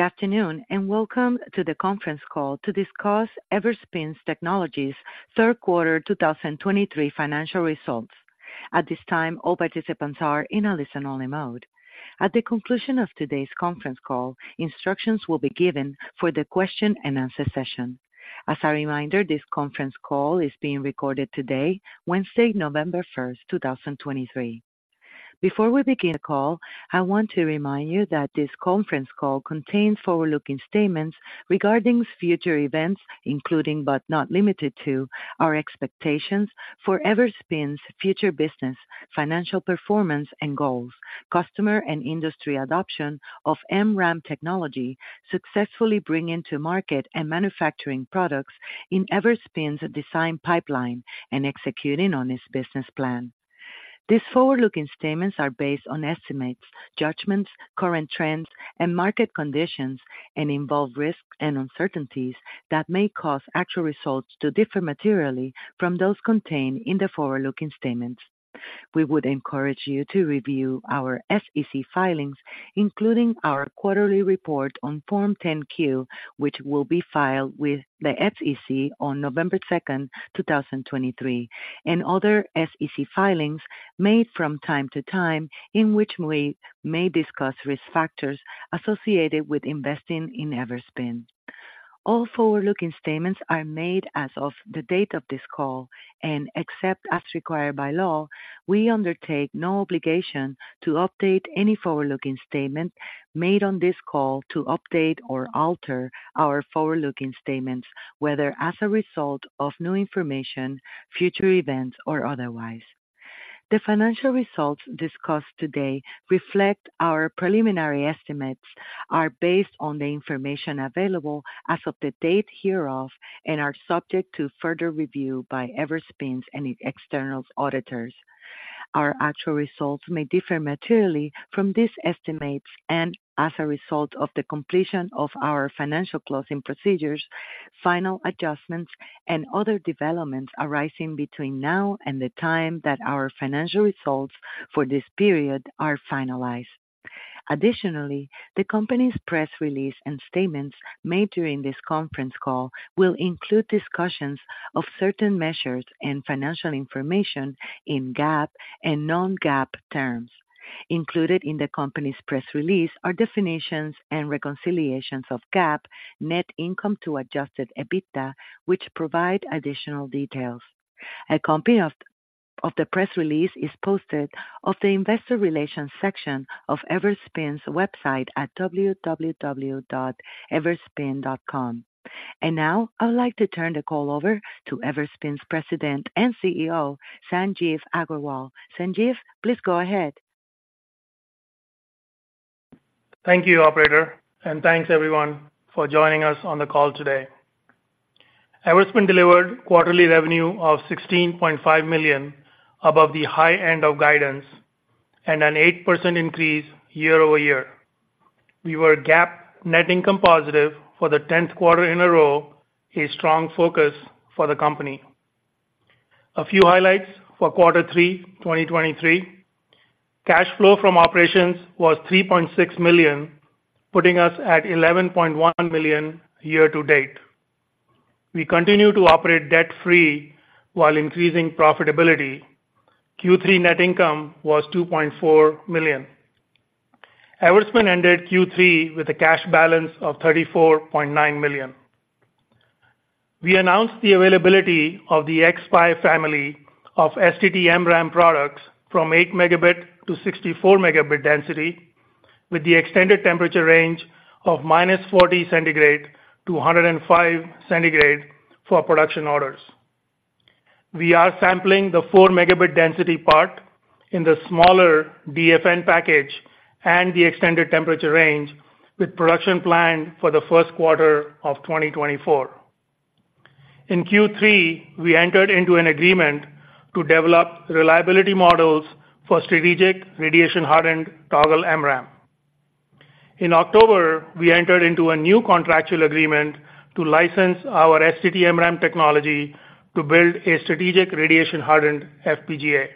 Good afternoon, and welcome to the conference call to discuss Everspin Technologies' Third Quarter 2023 Financial Results. At this time, all participants are in a listen-only mode. At the conclusion of today's conference call, instructions will be given for the question-and-answer session. As a reminder, this conference call is being recorded today, Wednesday, 1 November 2023. Before we begin the call, I want to remind you that this conference call contains forward-looking statements regarding future events, including, but not limited to, our expectations for Everspin's future business, financial performance, and goals, customer and industry adoption of MRAM technology, successfully bringing to market and manufacturing products in Everspin's design pipeline, and executing on its business plan. These forward-looking statements are based on estimates, judgments, current trends, and market conditions and involve risks and uncertainties that may cause actual results to differ materially from those contained in the forward-looking statements. We would encourage you to review our SEC filings, including our quarterly report on Form 10-Q, which will be filed with the SEC on 2 November 2023, and other SEC filings made from time to time, in which we may discuss risk factors associated with investing in Everspin. All forward-looking statements are made as of the date of this call, and except as required by law, we undertake no obligation to update any forward-looking statement made on this call to update or alter our forward-looking statements, whether as a result of new information, future events, or otherwise. The financial results discussed today reflect our preliminary estimates, are based on the information available as of the date hereof, and are subject to further review by Everspin and its external auditors. Our actual results may differ materially from these estimates and as a result of the completion of our financial closing procedures, final adjustments and other developments arising between now and the time that our financial results for this period are finalized. Additionally, the company's press release and statements made during this conference call will include discussions of certain measures and financial information in GAAP and non-GAAP terms. Included in the company's press release are definitions and reconciliations of GAAP net income to adjusted EBITDA, which provide additional details. A copy of the press release is posted on the investor relations section of Everspin's website at www.everspin.com. Now, I would like to turn the call over to Everspin's President and CEO, Sanjeev Aggarwal. Sanjeev, please go ahead. Thank you, operator, and thanks everyone for joining us on the call today. Everspin delivered quarterly revenue of $16.5 million, above the high end of guidance and an 8% increase year-over-year. We were GAAP net income positive for the tenth quarter in a row, a strong focus for the company. A few highlights for quarter three, 2023. Cash flow from operations was $3.6 million, putting us at $11.1 million year to date. We continue to operate debt-free while increasing profitability. Q3 net income was $2.4 million. Everspin ended Q3 with a cash balance of $34.9 million. We announced the availability of the xSPI family of STT-MRAM products from eight Mb to 64 Mb density, with the extended temperature range of minus 40 degrees Celsius to 105 degrees Celsius for production orders. We are sampling the 4 Mb density part in the smaller DFN package and the extended temperature range, with production planned for the first quarter of 2024. In Q3, we entered into an agreement to develop reliability models for strategic radiation-hardened Toggle MRAM. In October, we entered into a new contractual agreement to license our STT-MRAM technology to build a strategic radiation-hardened FPGA.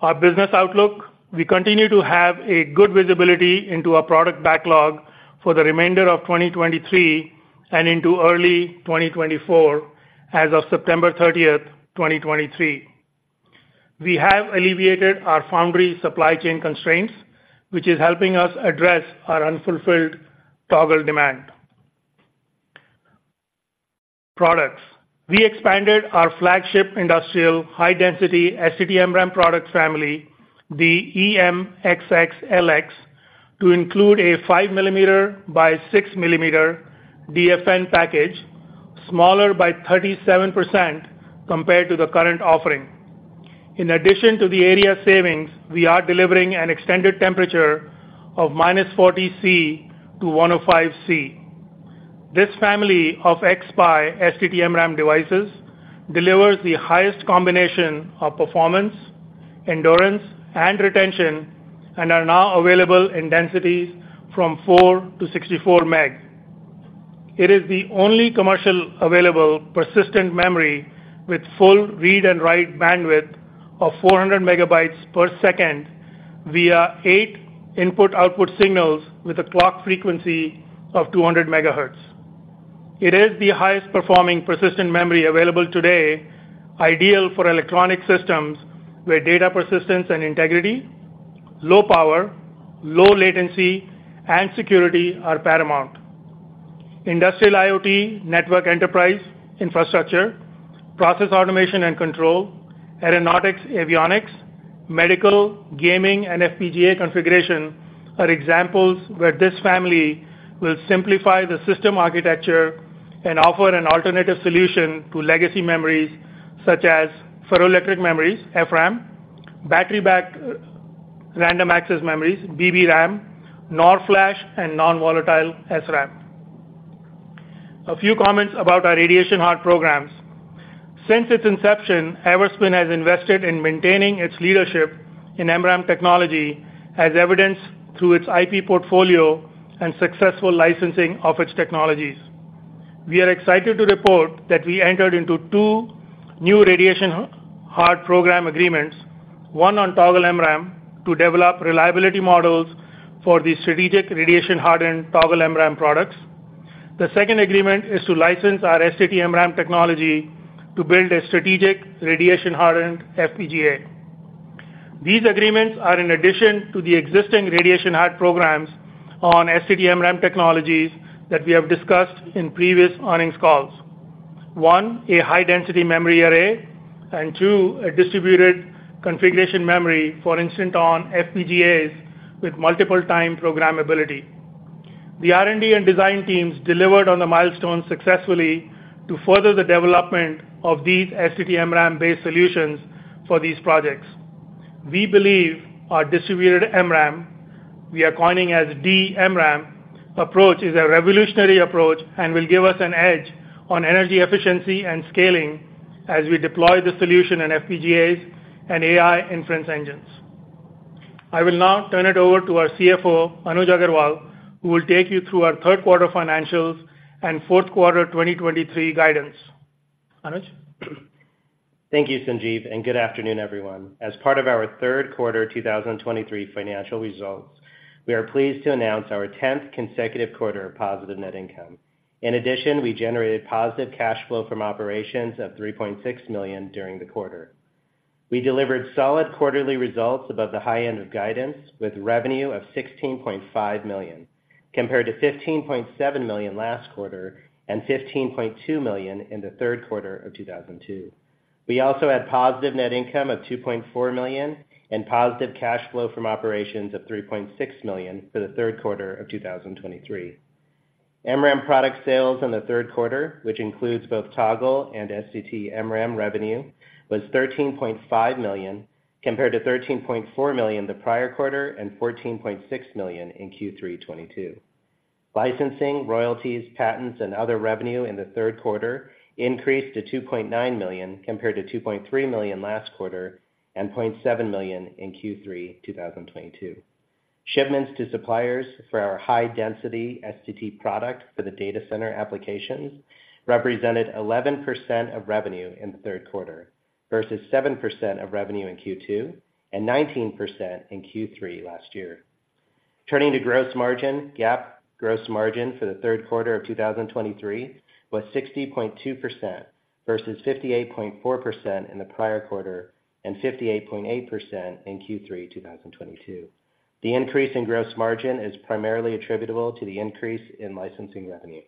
Our business outlook. We continue to have a good visibility into our product backlog for the remainder of 2023 and into early 2024 as of 30 September 2023. We have alleviated our foundry supply chain constraints, which is helping us address our unfulfilled toggle demand. Products. We expanded our flagship industrial high-density STT-MRAM product family, the EMxxLX, to include a five millimeter by six millimeter DFN package, smaller by 37% compared to the current offering. In addition to the area savings, we are delivering an extended temperature of minus 40 degrees Celsius to 105 degrees Celsius. This family of xSPI STT-MRAM devices delivers the highest combination of performance, endurance, and retention and are now available in densities from four to 64 Mb. It is the only commercially available persistent memory with full read and write bandwidth of 400 MB per second via 8 input-output signals with a clock frequency of 200 MHz. It is the highest performing persistent memory available today, ideal for electronic systems where data persistence and integrity, low power, low latency, and security are paramount. Industrial IoT, network enterprise, infrastructure, process automation and control, aeronautics, avionics, medical, gaming, and FPGA configuration are examples where this family will simplify the system architecture and offer an alternative solution to legacy memories, such as ferroelectric memories, FRAM, Battery-Backed Random Access Memories, BBRAM, NOR flash, and non-volatile SRAM. A few comments about our radiation-hardened programs. Since its inception, Everspin has invested in maintaining its leadership in MRAM technology, as evidenced through its IP portfolio and successful licensing of its technologies. We are excited to report that we entered into two new radiation-hardened program agreements, one on Toggle MRAM, to develop reliability models for the strategic radiation-hardened Toggle MRAM products. The second agreement is to license our STT-MRAM technology to build a strategic radiation-hardened FPGA. These agreements are in addition to the existing radiation-hardened programs on STT-MRAM technologies that we have discussed in previous earnings calls. One, a high-density memory array, and two, a distributed configuration memory for instant-on FPGAs with multiple time programmability. The R&D and design teams delivered on the milestones successfully to further the development of these STT-MRAM-based solutions for these projects. We believe our distributed MRAM, we are coining as DMRAM approach, is a revolutionary approach and will give us an edge on energy efficiency and scaling as we deploy the solution in FPGAs and AI inference engines. I will now turn it over to our CFO, Anuj Aggarwal, who will take you through our third quarter financials and fourth quarter 2023 guidance. Anuj? Thank you, Sanjeev, and good afternoon, everyone. As part of our third quarter 2023 financial results, we are pleased to announce our 10th consecutive quarter of positive net income. In addition, we generated positive cash flow from operations of $3.6 million during the quarter. We delivered solid quarterly results above the high end of guidance, with revenue of $16.5 million, compared to $15.7 million last quarter and $15.2 million in the third quarter of 2022. We also had positive net income of $2.4 million and positive cash flow from operations of $3.6 million for the third quarter of 2023. MRAM product sales in the third quarter, which includes both Toggle and STT MRAM revenue, was $13.5 million, compared to $13.4 million the prior quarter and $14.6 million in Q3 2022. Licensing, royalties, patents, and other revenue in the third quarter increased to $2.9 million, compared to $2.3 million last quarter and $0.7 million in Q3 2022. Shipments to suppliers for our high-density STT product for the data center applications represented 11% of revenue in the third quarter, versus 7% of revenue in Q2 and 19% in Q3 last year. Turning to gross margin, GAAP gross margin for the third quarter of 2023 was 60.2%, versus 58.4% in the prior quarter and 58.8% in Q3 2022. The increase in gross margin is primarily attributable to the increase in licensing revenue.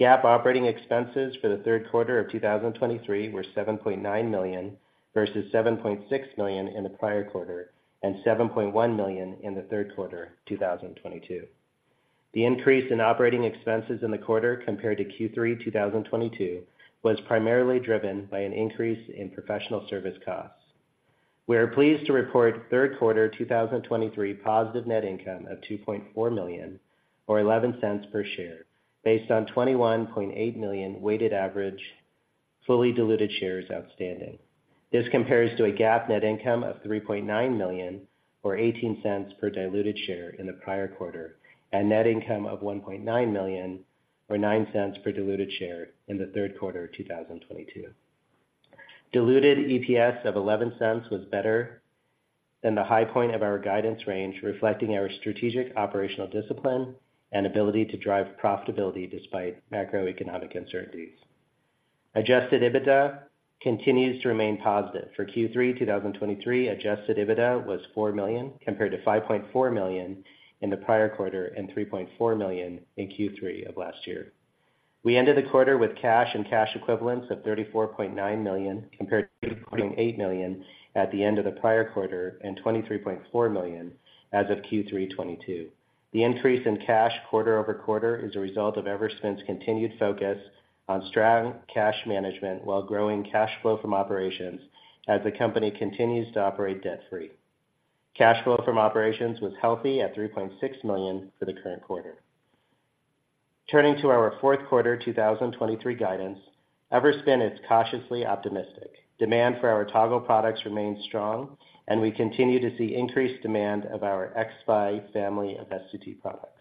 GAAP operating expenses for the third quarter of 2023 were $7.9 million, versus $7.6 million in the prior quarter and $7.1 million in the third quarter of 2022. The increase in operating expenses in the quarter compared to Q3 2022, was primarily driven by an increase in professional service costs. We are pleased to report third quarter 2023 positive net income of $2.4 million, or $0.11 per share, based on 21.8 million weighted average, fully diluted shares outstanding. This compares to a GAAP net income of $3.9 million, or $0.18 per diluted share in the prior quarter, and net income of $1.9 million, or $0.09 per diluted share in the third quarter of 2022. Diluted EPS of $0.11 was better than the high point of our guidance range, reflecting our strategic operational discipline and ability to drive profitability despite macroeconomic uncertainties. Adjusted EBITDA continues to remain positive. For Q3 2023, adjusted EBITDA was $4 million, compared to $5.4 million in the prior quarter and $3.4 million in Q3 of last year. We ended the quarter with cash and cash equivalents of $34.9 million, compared to $30.8 million at the end of the prior quarter and $23.4 million as of Q3 2022. The increase in cash quarter over quarter is a result of Everspin's continued focus on strong cash management while growing cash flow from operations as the company continues to operate debt-free. Cash flow from operations was healthy at $3.6 million for the current quarter. Turning to our fourth quarter 2023 guidance. Everspin is cautiously optimistic. Demand for our Toggle products remains strong, and we continue to see increased demand of our xSPI family of STT products.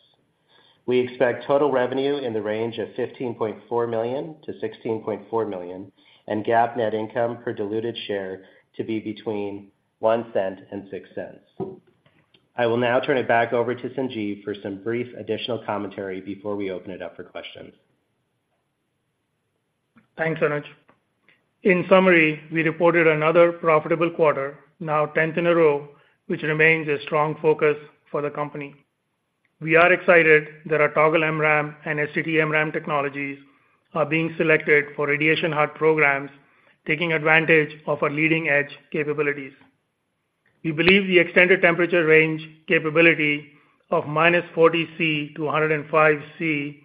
We expect total revenue in the range of $15.4 million-$16.4 million, and GAAP net income per diluted share to be between $0.01 and $0.06. I will now turn it back over to Sanjeev for some brief additional commentary before we open it up for questions. Thanks, Anuj. In summary, we reported another profitable quarter, now tenth in a row, which remains a strong focus for the company. We are excited that our Toggle MRAM and STT-MRAM technologies are being selected for radiation-hard programs, taking advantage of our leading-edge capabilities. We believe the extended temperature range capability of minus 40 degrees Celsius to 105 degrees Celsius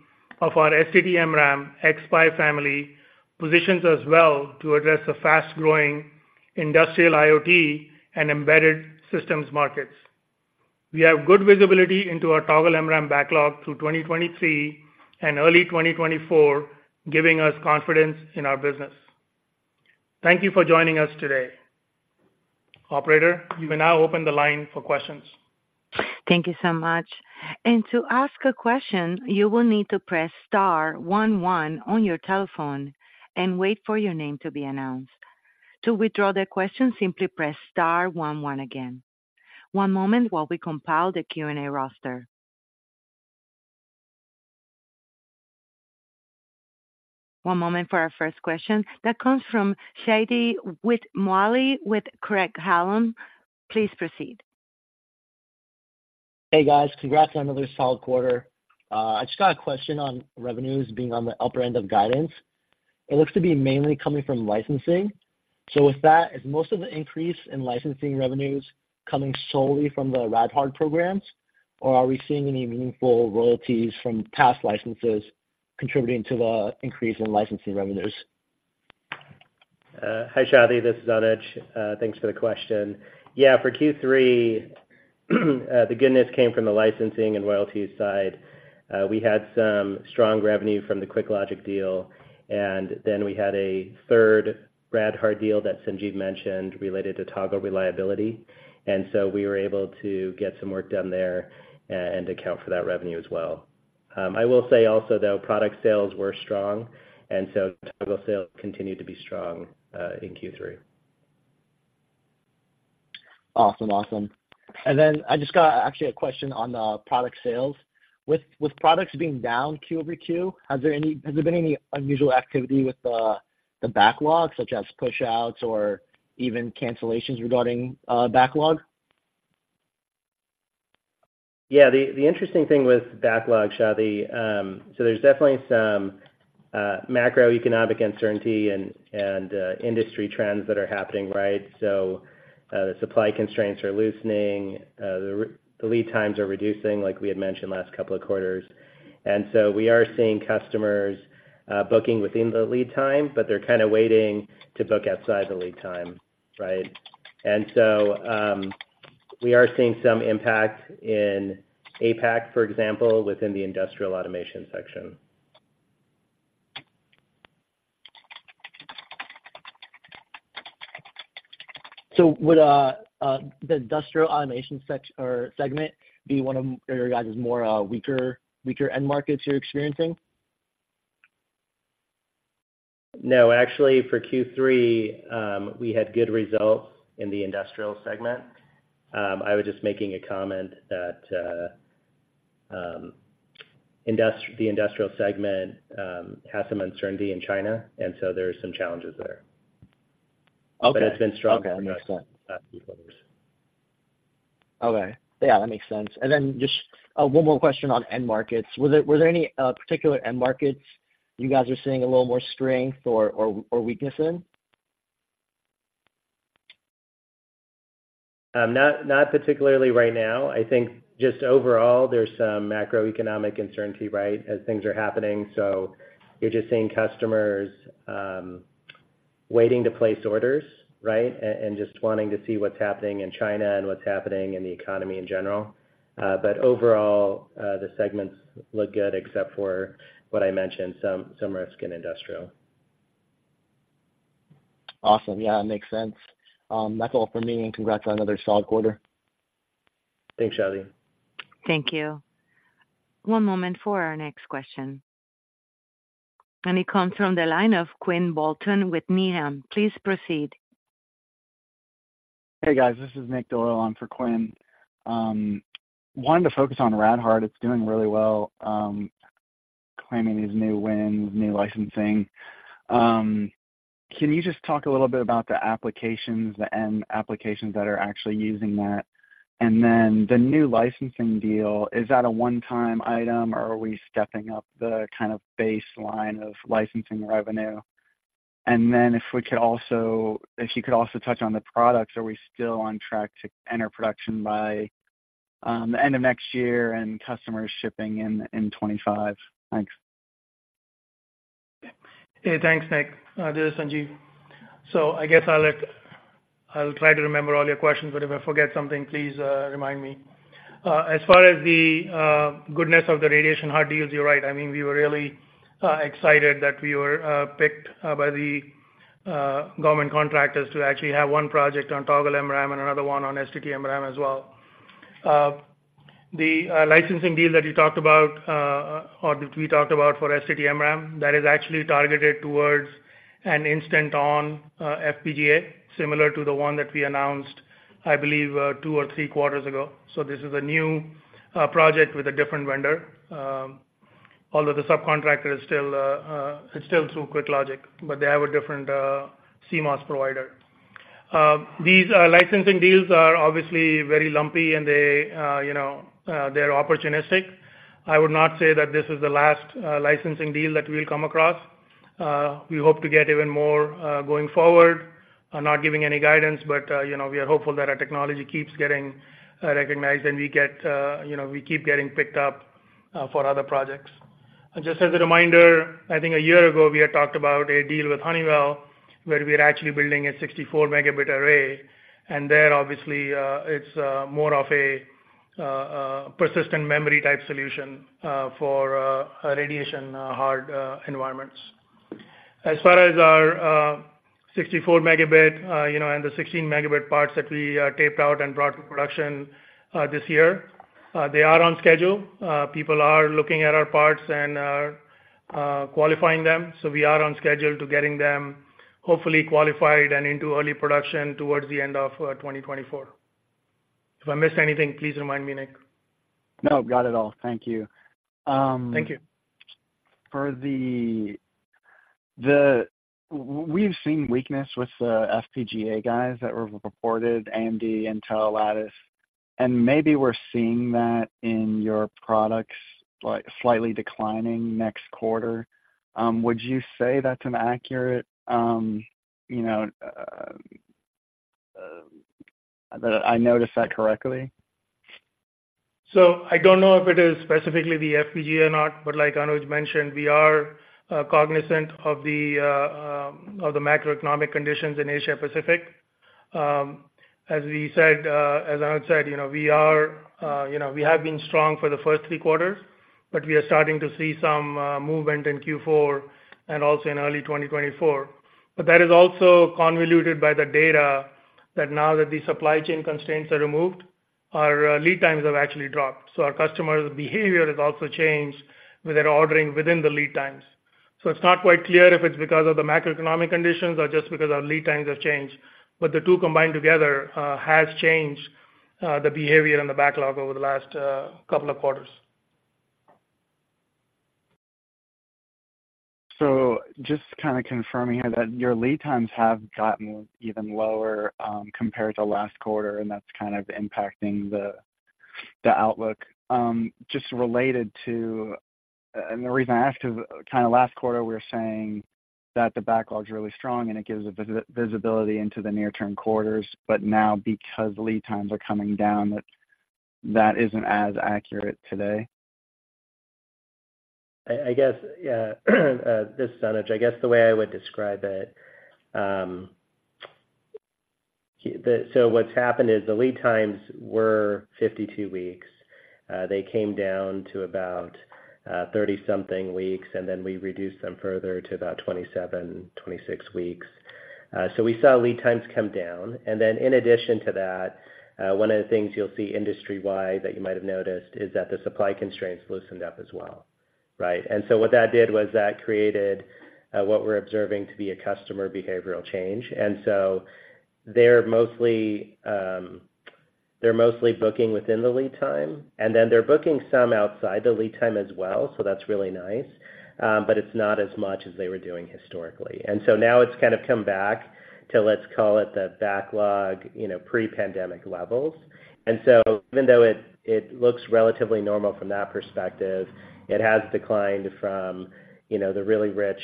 of our STT-MRAM xSPI family positions us well to address the fast-growing industrial IoT and embedded systems markets. We have good visibility into our Toggle MRAM backlog through 2023 and early 2024, giving us confidence in our business. Thank you for joining us today. Operator, you may now open the line for questions. Thank you so much. To ask a question, you will need to press star one one on your telephone and wait for your name to be announced. To withdraw the question, simply press star one one again. One moment while we compile the Q&A roster. One moment for our first question. That comes from Shadi Mitwalli with Craig-Hallum. Please proceed. Hey, guys. Congrats on another solid quarter. I just got a question on revenues being on the upper end of guidance. It looks to be mainly coming from licensing. So with that, is most of the increase in licensing revenues coming solely from the RadHard programs, or are we seeing any meaningful royalties from past licenses contributing to the increase in licensing revenues? Hi, Shadi, this is Anuj. Thanks for the question. Yeah, for Q3, the goodness came from the licensing and royalties side. We had some strong revenue from the QuickLogic deal, and then we had a third Rad-Hard deal that Sanjeev mentioned related to Toggle reliability, and so we were able to get some work done there and account for that revenue as well. I will say also, though, product sales were strong, and so Toggle sales continued to be strong in Q3. Awesome, awesome. And then I just got actually a question on the product sales. With products being down Q over Q, has there been any unusual activity with the backlog, such as pushouts or even cancellations regarding the backlog? Yeah, the interesting thing with backlog, Shadi, so there's definitely some macroeconomic uncertainty and industry trends that are happening, right? So, the supply constraints are loosening, the lead times are reducing, like we had mentioned last couple of quarters. And so we are seeing customers booking within the lead time, but they're kind of waiting to book outside the lead time, right? And so, we are seeing some impact in APAC, for example, within the industrial automation section. So would the industrial automation sector or segment be one of your guys' more weaker end markets you're experiencing? No. Actually, for Q3, we had good results in the industrial segment. I was just making a comment that, the industrial segment, has some uncertainty in China, and so there are some challenges there. Okay. But it's been strong Okay, makes sense. Uh, quarters. Okay. Yeah, that makes sense. Then just one more question on end markets. Were there any particular end markets you guys are seeing a little more strength or weakness in? Not particularly right now. I think just overall, there's some macroeconomic uncertainty, right, as things are happening. So you're just seeing customers waiting to place orders, right? And just wanting to see what's happening in China and what's happening in the economy in general. But overall, the segments look good, except for what I mentioned, some risk in industrial. Awesome. Yeah, it makes sense. That's all for me, and congrats on another solid quarter. Thanks, Shadi. Thank you. One moment for our next question. It comes from the line of Quinn Bolton with Needham. Please proceed. Hey, guys, this is Nick Doyle on for Quinn. Wanted to focus on Rad-Hard. It's doing really well, claiming these new wins, new licensing. Can you just talk a little bit about the applications, the end applications that are actually using that? And then the new licensing deal, is that a one-time item, or are we stepping up the kind of baseline of licensing revenue? And then if we could also, if you could also touch on the products, are we still on track to enter production by the end of next year and customers shipping in 2025? Thanks. Hey, thanks, Nick. This is Sanjeev. So I guess I'll try to remember all your questions, but if I forget something, please, remind me. As far as the goodness of the radiation-hard deals, you're right. I mean, we were really excited that we were picked by the government contractors to actually have one project on Toggle MRAM and another one on STT-MRAM as well. The licensing deal that you talked about or that we talked about for STT-MRAM, that is actually targeted towards an instant-on FPGA, similar to the one that we announced, I believe, two or three quarters ago. So this is a new project with a different vendor, although the subcontractor is still, it's still through QuickLogic, but they have a different CMOS provider. These licensing deals are obviously very lumpy and they, you know, they're opportunistic. I would not say that this is the last licensing deal that we'll come across. We hope to get even more going forward. I'm not giving any guidance, but, you know, we are hopeful that our technology keeps getting recognized, and we get you know, we keep getting picked up for other projects. Just as a reminder, I think a year ago, we had talked about a deal with Honeywell, where we are actually building a 64-Mb array, and there obviously, it's more of a persistent memory type solution for a radiation-hard environments. As far as our 64-Mb, you know, and the 16-Mb parts that we taped out and brought to production this year, they are on schedule. People are looking at our parts and are qualifying them, so we are on schedule to getting them hopefully qualified and into early production towards the end of 2024. If I missed anything, please remind me, Nick. No, got it all. Thank you. Thank you. We've seen weakness with the FPGA guys that were reported, AMD, Intel, Lattice, and maybe we're seeing that in your products, like, slightly declining next quarter. Would you say that's an accurate, you know, that I noticed that correctly? So I don't know if it is specifically the FPGA or not, but like Anuj mentioned, we are cognizant of the macroeconomic conditions in Asia Pacific. As we said, as Anuj said, you know, we are, you know, we have been strong for the first three quarters, but we are starting to see some movement in Q4 and also in early 2024. But that is also convoluted by the data, that now that the supply chain constraints are removed, our lead times have actually dropped. So our customers' behavior has also changed with their ordering within the lead times. So it's not quite clear if it's because of the macroeconomic conditions or just because our lead times have changed. But the two combined together has changed the behavior and the backlog over the last couple of quarters. So just kind of confirming here that your lead times have gotten even lower, compared to last quarter, and that's kind of impacting the outlook. Just related to, and the reason I ask is, kind of last quarter, we were saying that the backlog is really strong and it gives a visibility into the near-term quarters, but now because lead times are coming down, that isn't as accurate today? I guess, yeah, this is Anuj. I guess the way I would describe it. So what's happened is the lead times were 52 weeks. They came down to about 30-something weeks, and then we reduced them further to about 27, 26 weeks. So we saw lead times come down. And then in addition to that, one of the things you'll see industry-wide that you might have noticed is that the supply constraints loosened up as well, right? And so what that did was that created what we're observing to be a customer behavioral change. And so they're mostly, they're mostly booking within the lead time, and then they're booking some outside the lead time as well, so that's really nice, but it's not as much as they were doing historically. And so now it's kind of come back to, let's call it, the backlog, you know, pre-pandemic levels. And so even though it, it looks relatively normal from that perspective, it has declined from, you know, the really rich,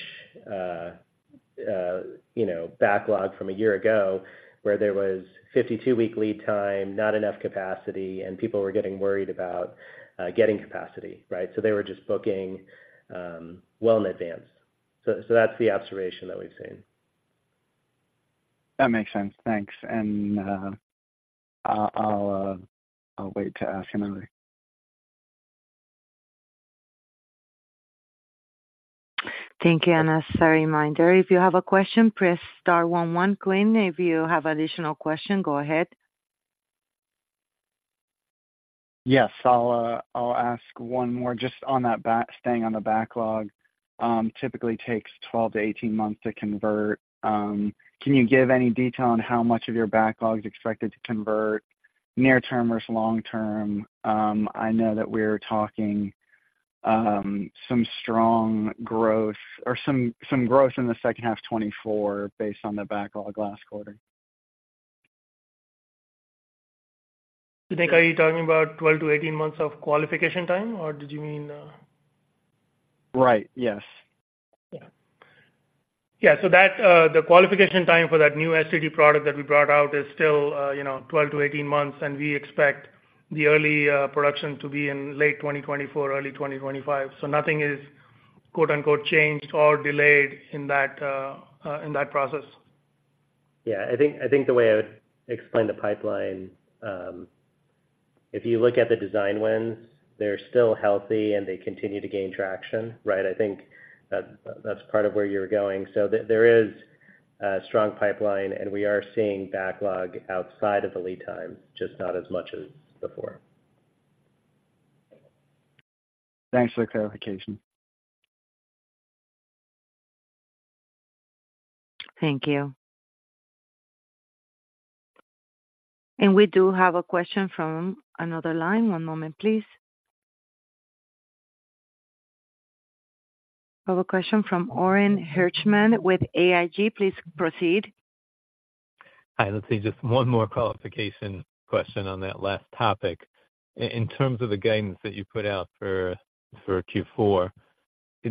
you know, backlog from a year ago, where there was 52-week lead time, not enough capacity, and people were getting worried about getting capacity, right? So they were just booking well in advance. So that's the observation that we've seen. That makes sense. Thanks. And, I'll wait to ask another. Thank you, and as a reminder, if you have a question, press star one one. Glenn, if you have additional question, go ahead. Yes, I'll ask one more just on that, staying on the backlog. Typically takes 12 to 18 months to convert. Can you give any detail on how much of your backlog is expected to convert near term versus long term? I know that we're talking some strong growth or some growth in the second half 2024 based on the backlog last quarter. Nick, are you talking about 12 to 18 months of qualification time, or did you mean? Right. Yes. Yeah. Yeah, so that, the qualification time for that new STT product that we brought out is still, you know, 12-18 months, and we expect the early, production to be in late 2024, early 2025. So nothing is quote, unquote, changed or delayed in that, in that process? Yeah, I think, I think the way I would explain the pipeline, if you look at the design wins, they're still healthy, and they continue to gain traction, right? I think that's part of where you're going. So there is a strong pipeline, and we are seeing backlog outside of the lead time, just not as much as before. Thanks for the clarification. Thank you. We do have a question from another line. One moment, please. We have a question from Orin Hirschman with AIG. Please proceed. Hi. Let's see, just one more qualification question on that last topic. In terms of the guidance that you put out for Q4,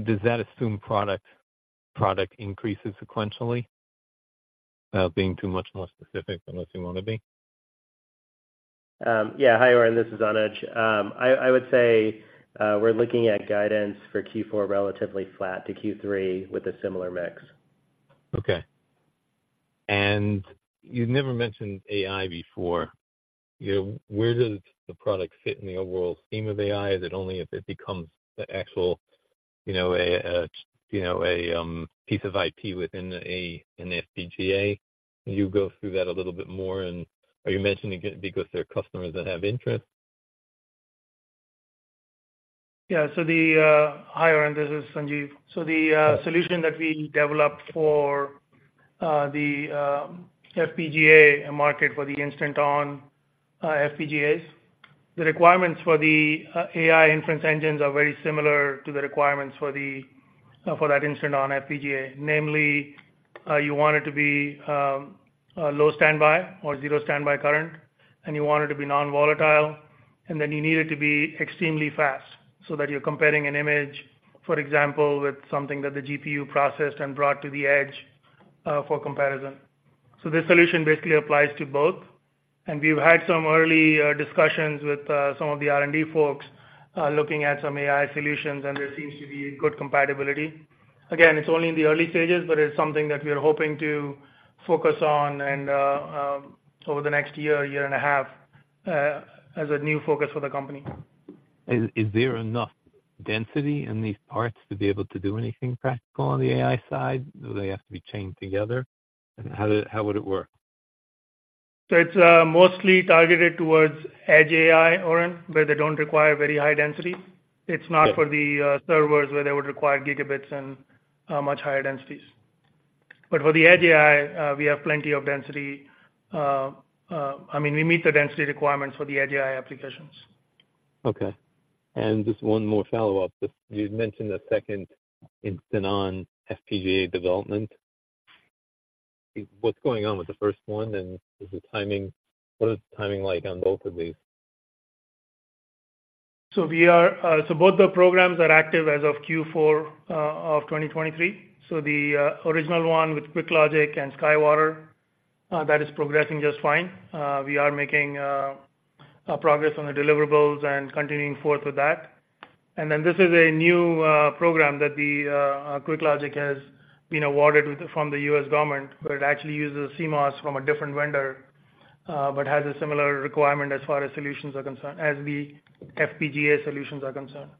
does that assume product increases sequentially? Without being too much more specific unless you want to be. Yeah. Hi, Orin, this is Anuj. I would say we're looking at guidance for Q4 relatively flat to Q3 with a similar mix. Okay. And you've never mentioned AI before. You know, where does the product fit in the overall scheme of AI? Is it only if it becomes the actual, you know, a piece of IP within an FPGA? Can you go through that a little bit more, and are you mentioning it because there are customers that have interest? Yeah. So, Hi, Orin, this is Sanjeev. So the solution that we developed for the FPGA market for the instant-on FPGAs, the requirements for the AI inference engines are very similar to the requirements for that instant-on FPGA. Namely, you want it to be low standby or zero standby current, and you want it to be non-volatile, and then you need it to be extremely fast so that you're comparing an image, for example, with something that the GPU processed and brought to the edge for comparison. So this solution basically applies to both, and we've had some early discussions with some of the R&D folks looking at some AI solutions, and there seems to be good compatibility. Again, it's only in the early stages, but it's something that we are hoping to focus on and over the next year and a half as a new focus for the company. Is there enough density in these parts to be able to do anything practical on the AI side? Do they have to be chained together? And how would it work? It's mostly targeted towards edge AI, Orin, where they don't require very high density. Yeah. It's not for the servers, where they would require gigabits and much higher densities. But for the edge AI, we have plenty of density. I mean, we meet the density requirements for the edge AI applications. Okay. Just one more follow-up. Just, you'd mentioned a second instant-on FPGA development. What's going on with the first one, and is the timing, what is the timing like on both of these? So both the programs are active as of Q4 of 2023. So the original one with QuickLogic and SkyWater that is progressing just fine. We are making progress on the deliverables and continuing forth with that. And then this is a new program that QuickLogic has been awarded with from the U.S. government, where it actually uses CMOS from a different vendor, but has a similar requirement as far as solutions are concerned, as the FPGA solutions are concerned.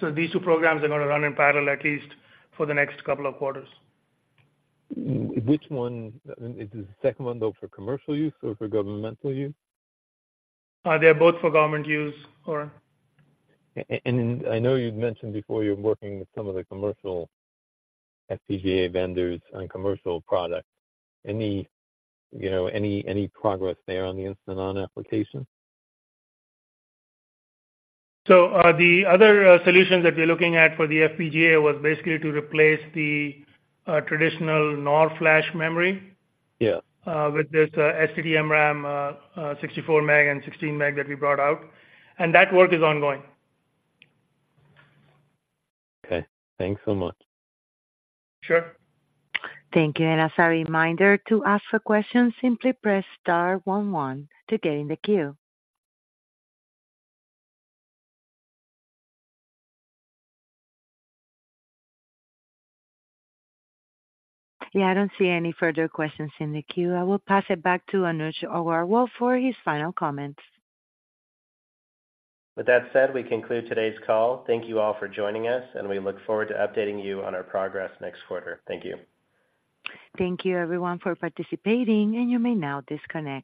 So these two programs are going to run in parallel, at least for the next couple of quarters. Which one is the second one, though, for commercial use or for governmental use? They're both for government use, Orin. I know you'd mentioned before, you're working with some of the commercial FPGA vendors on commercial products. Any, you know, progress there on the instant-on application? So, the other solutions that we're looking at for the FPGA was basically to replace the traditional NOR Flash memory- Yeah with this ST-MRAM, 64 meg and 16 meg that we brought out, and that work is ongoing. Okay. Thanks so much. Sure. Thank you. As a reminder, to ask a question, simply press star 1 1 to get in the queue. Yeah, I don't see any further questions in the queue. I will pass it back to Anuj Aggarwal for his final comments. With that said, we conclude today's call. Thank you all for joining us, and we look forward to updating you on our progress next quarter. Thank you. Thank you, everyone, for participating, and you may now disconnect.